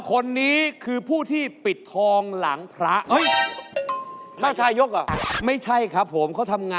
คนนี้คือผู้ที่ปิดทองหลังพระ